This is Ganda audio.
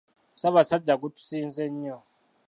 Ssaabasajja gutusinze nnyo